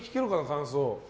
感想。